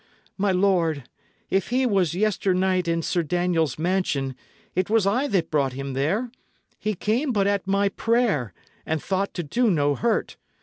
My lord, if he was yesternight in Sir Daniel's mansion, it was I that brought him there; he came but at my prayer, and thought to do no hurt.